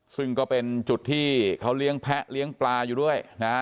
ซึ่งก็เป็นจุดที่เขาเลี้ยงแพะเลี้ยงปลาอยู่ด้วยนะฮะ